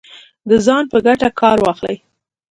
د ځان په ګټه کار واخلي